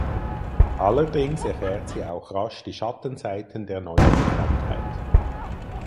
Allerdings erfährt sie auch rasch die Schattenseiten der neuen Bekanntheit.